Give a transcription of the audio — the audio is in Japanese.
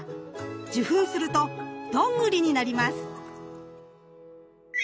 受粉するとドングリになります。